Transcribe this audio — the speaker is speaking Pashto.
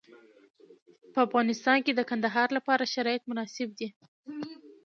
په افغانستان کې د کندهار لپاره شرایط مناسب دي.